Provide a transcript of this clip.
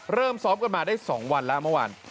เริ่มซ้อมกันมาได้๒วันแล้วเมื่อวาน